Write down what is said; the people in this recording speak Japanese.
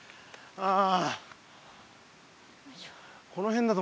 ああ。